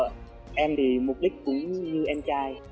điếc mơ của em thì mục đích cũng như em trai